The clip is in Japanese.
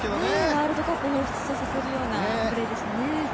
ワールドカップをほうふつとさせるようなプレーでしたね。